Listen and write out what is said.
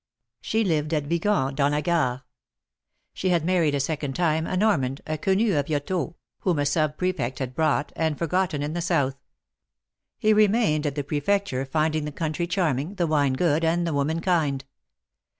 She lived at Yigan dans la Card. She had married a second time a Normand, a Quenu of Yoetot, whom a sub Prefect had brought, and forgotten in the South. He remained at the Prefecture, finding the country charming, the wine good, and the women kind.